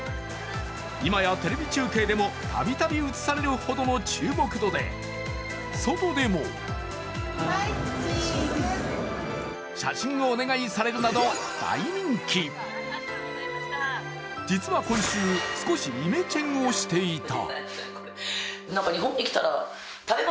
今やテレビ中継でも度々映されるほどの注目度で、外でも写真をお願いされるなど、大人気実は今週、少しイメチェンをしていた。